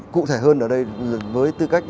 cụ thể hơn ở đây với tư cách